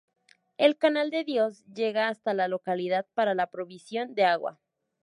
El Canal de Dios llega hasta la localidad para la provisión de agua.